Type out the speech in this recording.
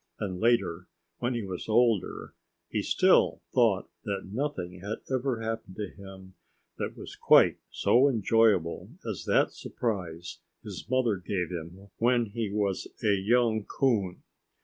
And later, when he was older, he still thought that nothing had ever happened to him that was quite so enjoyable as that surprise his mother gave him when he was a young coon.